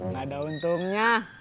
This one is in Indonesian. gak ada untungnya